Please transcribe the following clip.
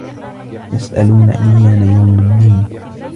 يَسأَلونَ أَيّانَ يَومُ الدّينِ